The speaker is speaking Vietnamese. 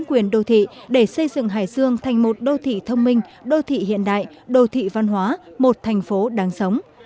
quyền đô thị để xây dựng hải dương thành một đô thị thông minh đô thị hiện đại đô thị văn hóa một thành phố đáng sống